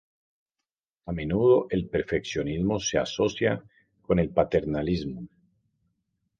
A menudo el perfeccionismo se asocia con el paternalismo.